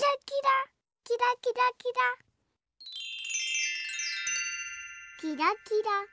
キラキラ。